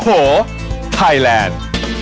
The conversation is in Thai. โอ้โหไทยแลนด์